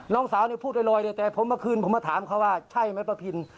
น้องสาวเนี่ยพูดลอยเลยแต่ผมเมื่อคืนผมมาถามเขาว่าใช่ไหมป้าพิน